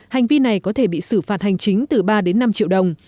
hành vi này có thể bị xử phạt hành chính từ ba đến năm triệu đồng